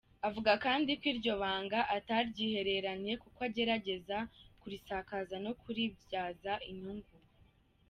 Avuga kandi ko iryo banga ataryihereranye kuko agerageza kurisakaza no kuribyaza inyungu.